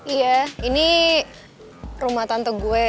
iya ini rumah tante gue